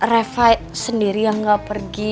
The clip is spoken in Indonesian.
revi sendiri yang gak pergi